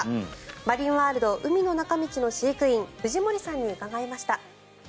マリンワールド海の中道の飼育員藤森さんに伺いました。